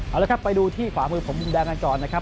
เอาละครับไปดูที่ขวามือของมุมแดงกันก่อนนะครับ